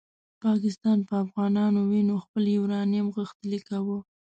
پاکستان په افغانانو وینو خپل یورانیوم غښتلی کاوه.